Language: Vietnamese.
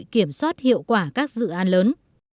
để kiểm soát hiệu quả các dự án lớn